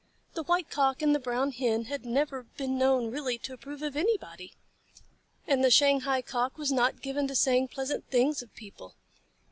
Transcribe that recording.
The White Cock and the Brown Hen had never been known really to approve of anybody, and the Shanghai Cock was not given to saying pleasant things of people.